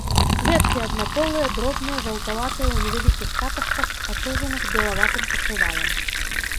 Кветкі аднаполыя, дробныя, жаўтаватыя, у невялікіх каташках, акружаных белаватым пакрывалам.